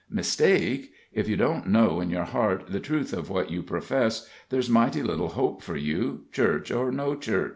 Mistake? If you don't know in your heart the truth of what you profess, there's mighty little hope for you, church or no church."